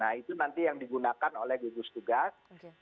nah itu nanti yang digunakan oleh gugus tugas